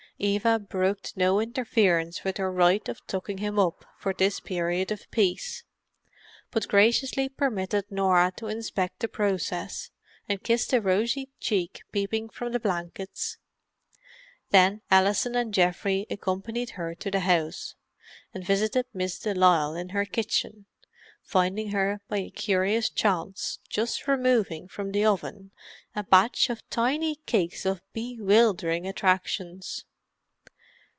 Eva brooked no interference with her right of tucking him up for this period of peace, but graciously permitted Norah to inspect the process and kiss the rosy cheek peeping from the blankets. Then Alison and Geoffrey accompanied her to the house, and visited Miss de Lisle in her kitchen, finding her by a curious chance, just removing from the oven a batch of tiny cakes of bewildering attractions.